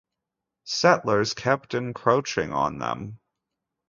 Settlers kept encroaching on them.